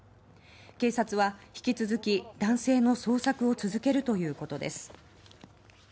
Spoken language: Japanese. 警察は引き続き男性の捜索を続けるということです。